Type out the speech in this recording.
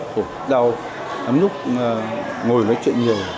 khổ đau ấm nhúc ngồi nói chuyện nhiều